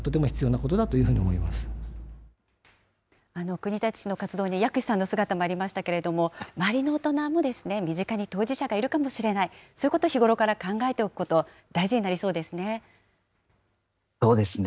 国立市の活動に薬師さんの姿もありましたけれども、周りの大人も身近に当事者がいるかもしれない、そういうことを日頃から考えておくこと、大事になりそうですね。